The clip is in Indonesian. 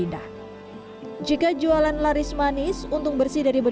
menuju tempat lain dan juga menunggu uzuru permen untuk membeli kita tetapi tidak bisa